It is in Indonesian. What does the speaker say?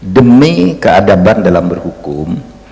demi keadaban dalam berhukum